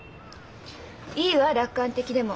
いいわ楽観的でも。